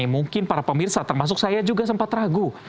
mungkin para pemirsa termasuk saya juga sempat ragu